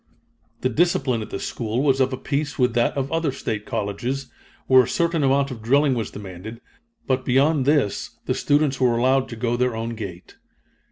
The discipline at this school was of a piece with that of other State colleges, where a certain amount of drilling was demanded, but beyond this the students were allowed to go their own gait.